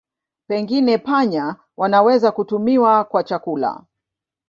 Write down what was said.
Pengine panya wanaweza kutumiwa kwa chakula.